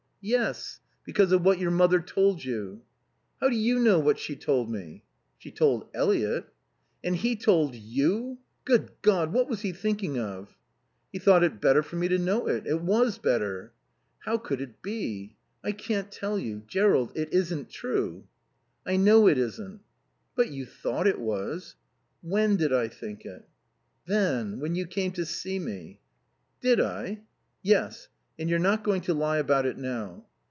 "Yes. Because of what your mother told you?" "How do you know what she told me?" "She told Eliot." "And he told you? Good God! what was he thinking of?" "He thought it better for me to know it. It was better." "How could it be?" "I can't tell you...Jerrold, it isn't true." "I know it isn't." "But you thought it was." "When did I think?" "Then; when you came to see me." "Did I?" "Yes. And you're not going to lie about it now."